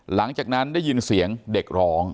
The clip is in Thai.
หลังจากนั้นได้ยินเสียงเด็กร้อง